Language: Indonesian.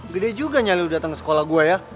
gede juga nyali datang ke sekolah gue ya